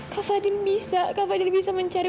kak fadhil bisa kak fadhil bisa mencari